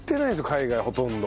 海外ほとんど。